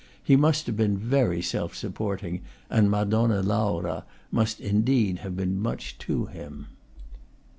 He must have been very self supporting, and Madonna Laura must indeed have been much to him.